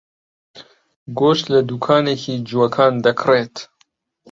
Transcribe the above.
گۆشت لە دوکانێکی جووەکان دەکڕێت.